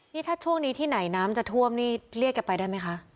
นี่ถ้าช่วงนี้ที่ไหนน้ำจะท่วมนี่เรียกแกไปได้ไหมคะ